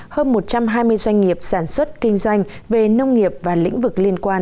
hơn một trăm hai mươi doanh nghiệp sản xuất kinh doanh về nông nghiệp và lĩnh vực liên quan